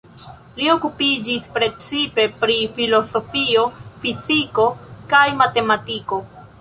Li okupiĝis precipe pri filozofio, fiziko kaj matematiko.